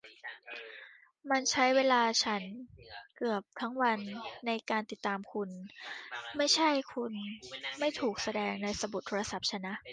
มันใช้เวลาฉันเกือบทั้งวันในการติดตามคุณ ไม่ใช่คุณไม่ถูกแสดงในสมุดโทรศัพท์ฉันนะ